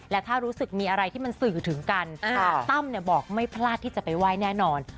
และถ้ารู้สึกมีอะไรที่มันสื่อถึงกันตั้มบอกไม่พลาดที่จะไปไหว้แน่นอน